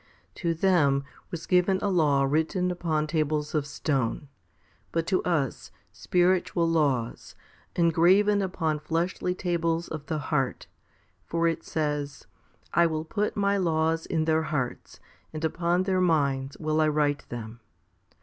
3. To them was given a law written upon tables of stone; but to us, spiritual laws, engraven upon fleshy tables of the heart* for it says, I will put My laws in their hearts, and upon their minds will I write them?